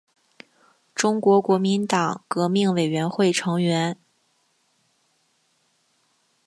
中国国民党革命委员会成员。